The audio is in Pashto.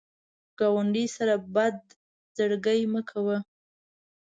ګاونډي سره بد زړګي مه کوه